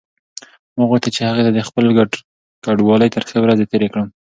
ما غوښتل چې هغې ته د خپلې کډوالۍ ترخې ورځې تېرې کړم.